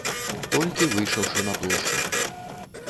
Толькі выйшаўшы на плошчу.